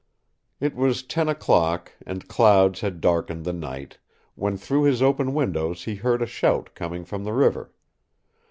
It was ten o'clock, and clouds had darkened the night, when through his open windows he heard a shout coming from the river.